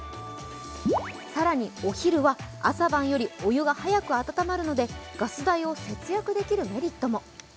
更に、お昼は朝晩よりお湯が早く温まるのでガス代を節約できるメリットも。